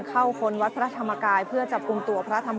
เมื่อเวลาอันดับสุดท้ายเมื่อเวลาอันดับสุดท้าย